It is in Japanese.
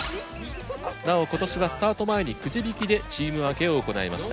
なお今年はスタート前にくじ引きでチーム分けを行いました。